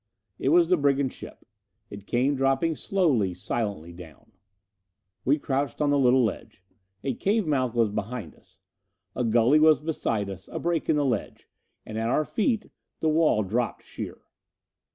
It was the brigand ship. It came dropping slowly, silently down. We crouched on the little ledge. A cave mouth was behind us. A gully was beside us, a break in the ledge; and at our feet the wall dropped sheer.